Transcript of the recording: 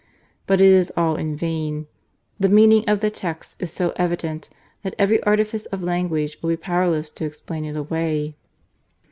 But it is all in vain. The meaning of the texts is so evident that every artifice of language will be powerless to explain it away."